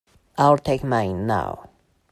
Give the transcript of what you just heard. I'll take mine now.